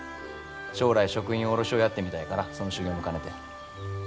将来食品卸をやってみたいからその修業も兼ねて。